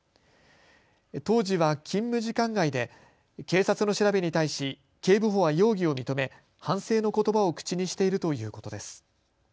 当時は勤務時間外で警察の調べに対し警部補は容疑を認め反省のことばを口にしているということです。